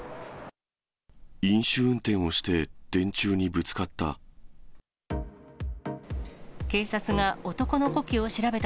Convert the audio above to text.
飲酒運転をして電柱にぶつかった。